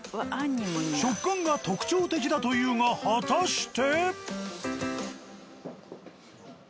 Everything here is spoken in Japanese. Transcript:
食感が特徴的だというが果たして？